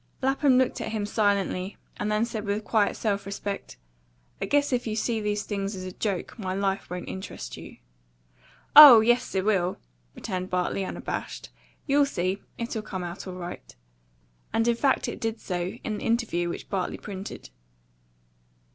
Lapham looked at him silently, and then said with quiet self respect, "I guess if you see these things as a joke, my life won't interest you." "Oh yes, it will," returned Bartley, unabashed. "You'll see; it'll come out all right." And in fact it did so, in the interview which Bartley printed.